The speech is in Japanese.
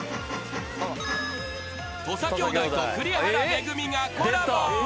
［土佐兄弟と栗原恵がコラボ］